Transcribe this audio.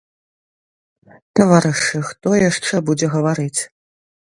Таварышы, хто яшчэ будзе гаварыць.